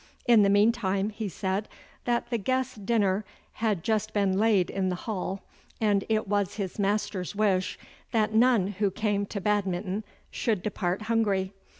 In the meantime he said that the guests' dinner had just been laid in the hall, and it was his master's wish that none who came to Badminton should depart hungry.